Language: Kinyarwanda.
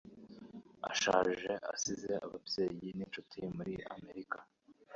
Ashaje asize ababyeyi n'inshuti muri Amerika.